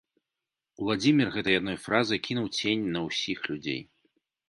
Уладзімір гэтай адной фразай кінуў цень на ўсіх людзей.